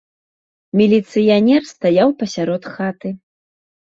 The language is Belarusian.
Міліцыянер стаяў пасярод хаты.